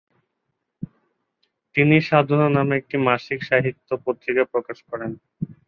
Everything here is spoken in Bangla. তিনি সাধনা নামে একটি মাসিক সাহিত্য পত্রিকা প্রকাশ করেন।